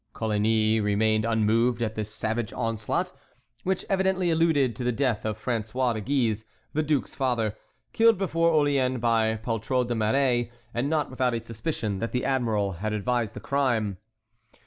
Coligny remained unmoved at this savage onslaught, which evidently alluded to the death of François de Guise, the duke's father, killed before Orléans by Poltrot de Méré, and not without a suspicion that the admiral had advised the crime.